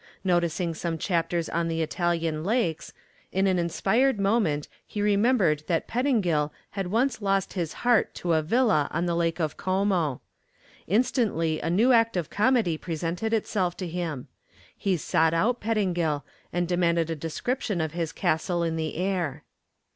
Noticing some chapters on the Italian lakes, in an inspired moment he remembered that Pettingill had once lost his heart to a villa on the Lake of Como. Instantly a new act of comedy presented itself to him. He sought out Pettingill and demanded a description of his castle in the air.